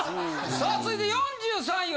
さあ続いて４３位は。